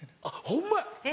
ホンマや！